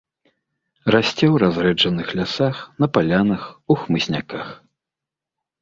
Расце ў разрэджаных лясах, на палянах, у хмызняках.